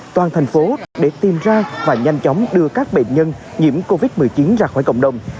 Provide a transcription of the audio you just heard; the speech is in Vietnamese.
toàn thành phố để tìm ra và nhanh chóng đưa các bệnh nhân nhiễm covid một mươi chín ra khỏi cộng đồng